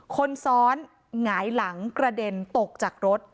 คนซ้อนหงายหลังกระเด็นตกจากรถ